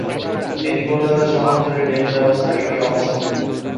এটি কলকাতা শহরতলির রেল ব্যবস্থার একটি অংশ।